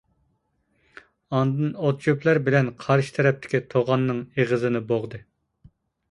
ئاندىن ئوت-چۆپلەر بىلەن قارشى تەرەپتىكى تۇغاننىڭ ئېغىزىنى بوغدى.